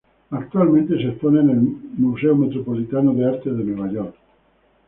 Actualmente se expone en el Museo Metropolitano de Arte de Nueva York.